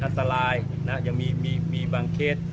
อันตรายยังมีบางเคส